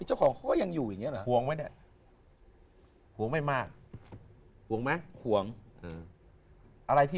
เขาก็ยังอยู่อย่างนี้หรือ